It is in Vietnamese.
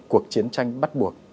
cuộc chiến tranh bắt buộc